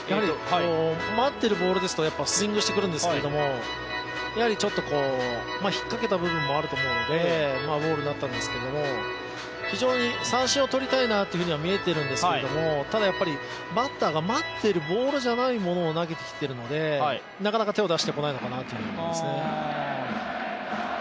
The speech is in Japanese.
待ってるボールですとスイングしてくるんですけれども、ちょっとひっかけた部分もあるのでボールになったんですけど、非常に三振を取りたいなというふうには見えているんですけれどもただやっぱりバッターが待っているボールじゃないものを投げてきているのでなかなか手を出してこないのかなというふうに思いますね。